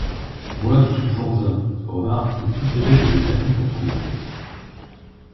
moi je suis sans un. Remarque, il suffirait que je percute un touriste